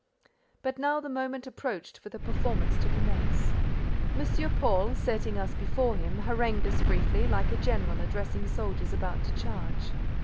But now the moment approached for the performance to commence. M. Paul, setting us before him, harangued us briefly, like a general addressing soldiers about to charge.